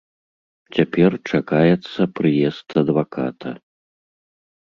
Цяпер чакаецца прыезд адваката.